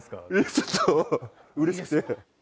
ちょっと嬉しくて。